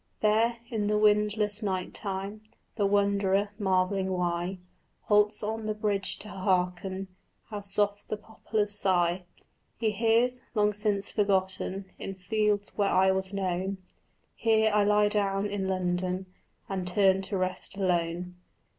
There, in the windless night time, The wanderer, marvelling why, Halts on the bridge to hearken How soft the poplars sigh. He hears: long since forgotten In fields where I was known, Here I lie down in London And turn to rest alone.